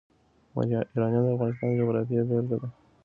یورانیم د افغانستان د جغرافیې بېلګه ده.